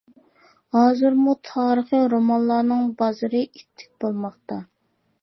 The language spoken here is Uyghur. ھازىرمۇ تارىخىي رومانلارنىڭ بازىرى ئىتتىك بولماقتا.